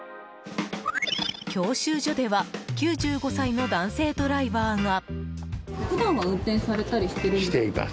教習所では９５歳の男性ドライバーが。